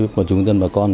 với chúng dân bà con